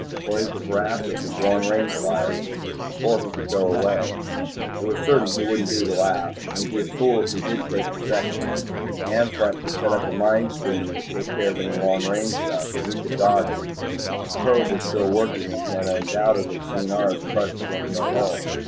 Or he could harass us with long range fire. Or he could go away. It was certain he wouldn't do the last, and he'd be a fool if he did the second. "Amphitrite" could set up a mine screen that would take care of any long range stuff, and we could dodge it. His probe was still working and he had undoubtedly seen ours crushed against our hull.